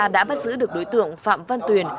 đã bắt giữ được đối tượng phạm văn tuyền